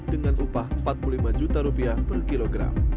dengan upah rp empat puluh lima juta rupiah per kilogram